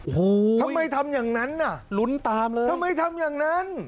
โอ้โหทำไมทำอย่างนั้นน่ะลุ้นตามเลยทำไมทำอย่างนั้น